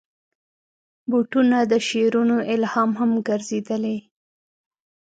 بوټونه د شعرونو الهام هم ګرځېدلي.